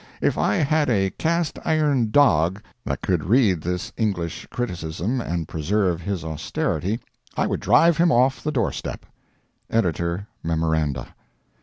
If I had a cast iron dog that could read this English criticism and preserve his austerity, I would drive him off the door step.—EDITOR MEMORANDA.